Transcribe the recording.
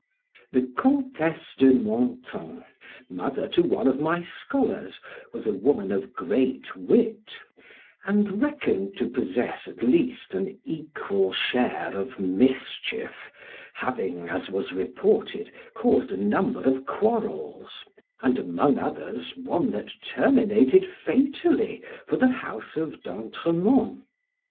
The Countess of Menthon, mother to one of my scholars, was a woman of great wit, and reckoned to possess, at least, an equal share of mischief, having (as was reported) caused a number of quarrels, and, among others, one that terminated fatally for the house of D' Antremont.